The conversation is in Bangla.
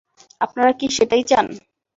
আপনারা কি সেটাই চান?